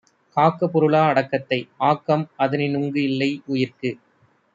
காக்க பொருளா அடக்கத்தை ஆக்கம் அதனின் உங்கு இல்லை உயிர்க்கு.